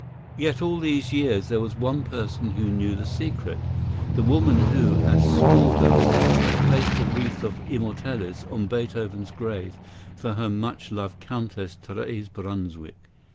Yet all these years there was one person who knew the secret—the woman who as a school girl had placed the wreath of immortelles on Beethoven's grave for her much loved Countess Therese Brunswick.